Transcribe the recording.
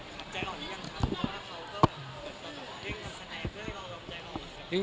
ถามใจอ่อนหรือยังครับเพราะว่าเขาก็เร่งทำแสดงเพื่อให้เราใจอ่อน